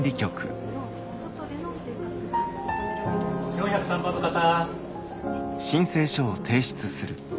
４０３番の方。